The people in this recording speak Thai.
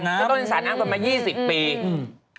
ก็ต้องเล่นสารอ้างต่อมา๒๐ปี